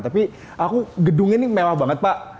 tapi aku gedung ini mewah banget pak